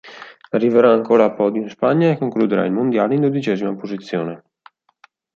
Arriverà ancora a podio in Spagna e concluderà il mondiale in dodicesima posizione.